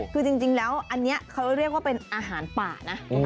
คือจริงแล้วอันนี้เขาเรียกว่าเป็นอาหารป่านะ